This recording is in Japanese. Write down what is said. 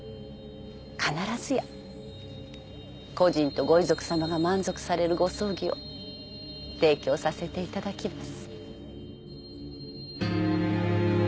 必ずや故人とご遺族さまが満足されるご葬儀を提供させていただきます。